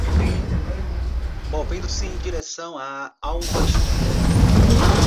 Movendo-se em direção à autoestrada